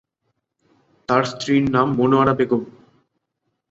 তার স্ত্রীর নাম মনোয়ারা বেগম।